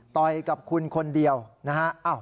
ต่อยกับคุณคนเดียวนะฮะ